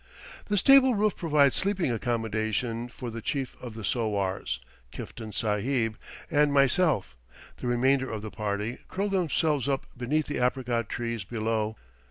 The stable roof provides sleeping accommodation for the chief of the sowars, Kiftan Sahib, and myself, the remainder of the party curl themselves up beneath the apricot trees below.